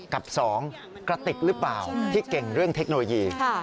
กับ๒กระติกหรือเปล่าที่เก่งเรื่องเทคโนโลยี